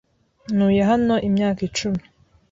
Ntuye hano imyaka icumi.